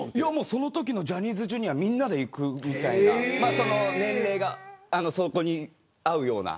そのときのジャニーズＪｒ．みんなで行くみたいな年齢がそこに合うような。